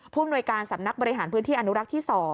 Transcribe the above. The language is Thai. อำนวยการสำนักบริหารพื้นที่อนุรักษ์ที่๒